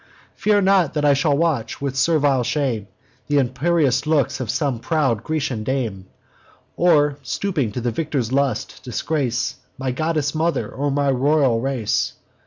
Fear not that I shall watch, with servile shame, Th' imperious looks of some proud Grecian dame; Or, stooping to the victor's lust, disgrace My goddess mother, or my royal race.